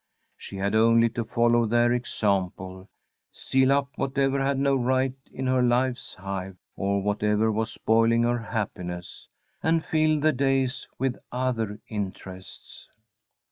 She had only to follow their example, seal up whatever had no right in her life's hive, or whatever was spoiling her happiness, and fill the days with other interests.